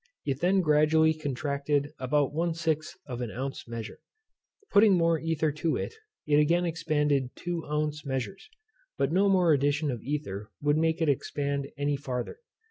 It then gradually contracted about one sixth of an ounce measure. Putting more ether to it, it again expanded to two ounce measures; but no more addition of ether would make it expand any farther.